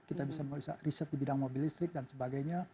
kita bisa riset di bidang mobil listrik dan sebagainya